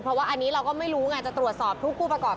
เพราะว่าอันนี้เราก็ไม่รู้ไงจะตรวจสอบทุกผู้ประกอบ